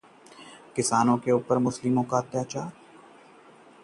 किसानों को हक दिलवाने तक न सोऊंगा, न सोने दूंगा: भूपेंद्र सिंह हुड्डा